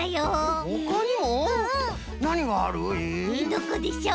どこでしょう？